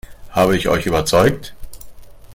Habe ich euch überzeugt?